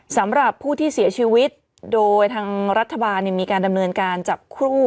สำหรับผู้ที่เสียชีวิตโดยทางรัฐบาลมีการดำเนินการจับครู่